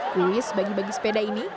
kuis bagi bagi sepeda ini